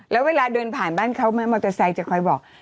แล้วเวลาเดินผ่านบ้านเขาไหมมอเตอร์ไซค์จะคอยบอก